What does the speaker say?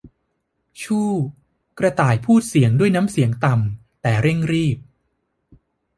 ชู่ว เจ้ากระต่ายพูดด้วยน้ำเสียงต่ำแต่เร่งรีบ